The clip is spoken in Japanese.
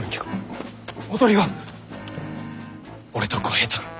おとりは俺と小平太が。